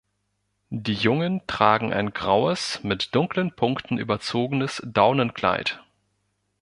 Die Jungen tragen ein graues, mit dunklen Punkten überzogenes Daunenkleid.